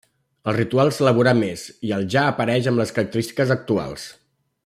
El ritual s'elaborà més i al ja apareix amb les característiques actuals.